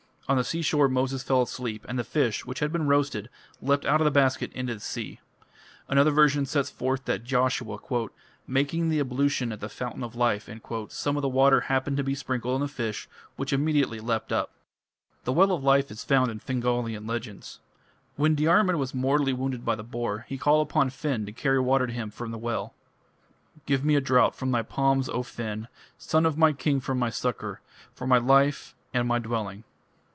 On the seashore Moses fell asleep, and the fish, which had been roasted, leapt out of the basket into the sea. Another version sets forth that Joshua, "making the ablution at the fountain of life", some of the water happened to be sprinkled on the fish, which immediately leapt up. The Well of Life is found in Fingalian legends. When Diarmid was mortally wounded by the boar, he called upon Finn to carry water to him from the well: Give me a draught from thy palms, O Finn, Son of my king for my succour, For my life and my dwelling.